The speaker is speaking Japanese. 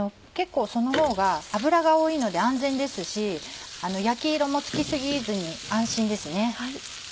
結構そのほうが油が多いので安全ですし焼き色もつき過ぎずに安心ですね。